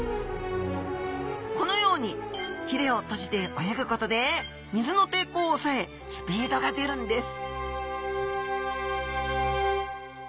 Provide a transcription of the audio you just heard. このようにひれを閉じて泳ぐことで水の抵抗を抑えスピードが出るんです